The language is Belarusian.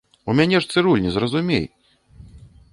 У мяне ж цырульні, зразумей!